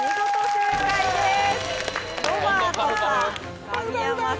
正解です